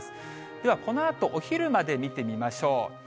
では、このあとお昼まで見てみましょう。